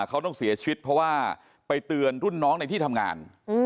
เขาต้องเสียชีวิตเพราะว่าไปเตือนรุ่นน้องในที่ทำงาน